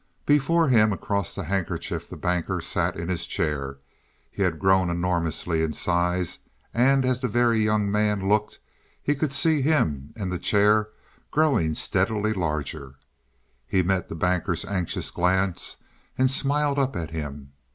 Before him, across the handkerchief the Banker sat in his chair. He had grown enormously in size, and as the Very Young Man looked he could see him and the chair growing steadily larger. He met the Banker's anxious glance, and smiled up at him.